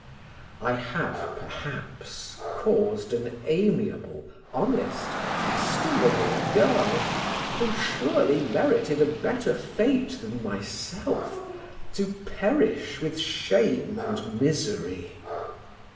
I have, perhaps, caused an amiable, honest, estimable girl, who surely merited a better fate than myself, to perish with shame and misery.